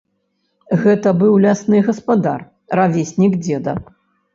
Гэта быў лясны гаспадар, равеснік дзеда.